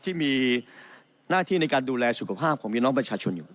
ที่มีหน้าที่ในการดูแลสุขภาพของพี่น้องประชาชนอยู่